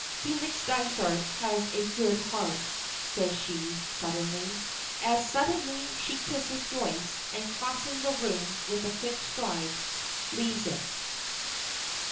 "Felix Dysart has a good heart," says she, suddenly. As suddenly she kisses Joyce, and, crossing the room with a quick stride, leaves it.